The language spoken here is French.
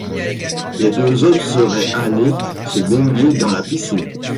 Les deux hommes seraient allés se baigner dans la piscine.